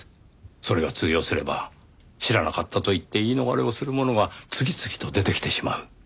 それが通用すれば知らなかったと言って言い逃れをする者が次々と出てきてしまう。